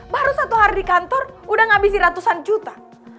baru satu hari di kantor udah ngabisi ratusan juta